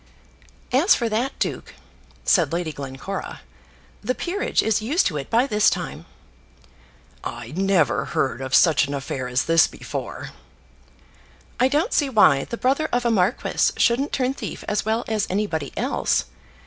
"As for that, duke," said Lady Glencora, "the peerage is used to it by this time." "I never heard of such an affair as this before." "I don't see why the brother of a marquis shouldn't turn thief as well as anybody else.